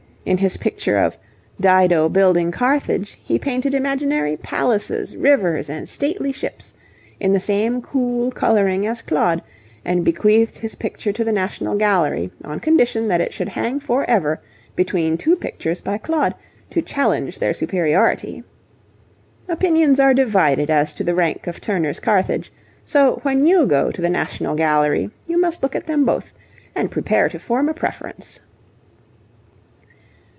In his picture of 'Dido building Carthage,' he painted imaginary palaces, rivers, and stately ships, in the same cool colouring as Claude, and bequeathed his picture to the National Gallery, on condition that it should hang for ever between two pictures by Claude to challenge their superiority. Opinions are divided as to the rank of Turner's 'Carthage,' so when you go to the National Gallery, you must look at them both and prepare to form a preference.